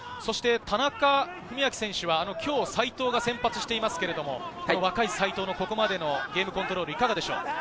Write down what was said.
田中史朗選手は今日は齋藤が先発していますけれど、若い齋藤のここまでのゲームコントロール、いかがでしょう？